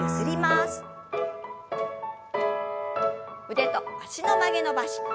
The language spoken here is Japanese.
腕と脚の曲げ伸ばし。